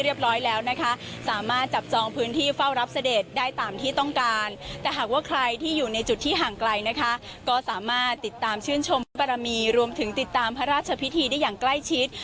รวมถึงติดตามพระราชพิธีได้อย่างใกล้ชิด